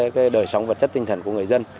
cái đời sống vật chất tinh thần của người dân